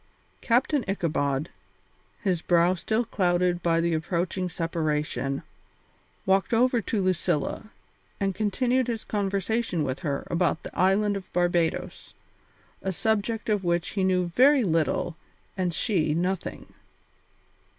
Captain Ichabod, his brow still clouded by the approaching separation, walked over to Lucilla and continued his conversation with her about the island of Barbadoes, a subject of which he knew very little and she nothing.